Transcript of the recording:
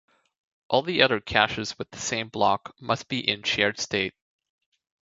All the other caches with the same block must be in shared state.